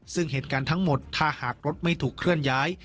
ซึ่งเหตุการณ์ทั้งหมดถ้าหากรถไม่ถูกเคลื่อนย้าย